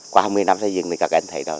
qua hai mươi năm xây dựng thì các anh thấy rồi